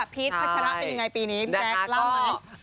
พัชระเป็นยังไงปีนี้พี่แจ๊คเล่าไหม